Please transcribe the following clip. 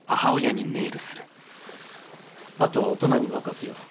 あとは大人に任せよう。